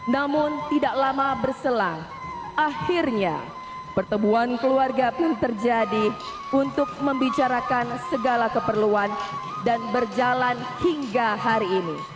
namun tidak lama berselang akhirnya pertemuan keluarga pun terjadi untuk membicarakan segala keperluan dan berjalan hingga hari ini